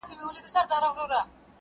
o څو لفظونه مي د میني ورته ورکړه,